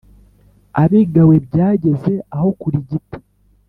Abigawe byageze aho kurigita !